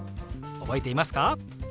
覚えていますか？